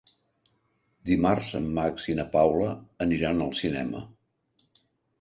Dimarts en Max i na Paula aniran al cinema.